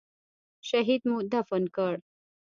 شهيد مو دفن کړ.